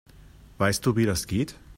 Weißt du, wie das geht?